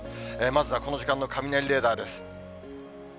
まずはこの時間の雷レーダーです。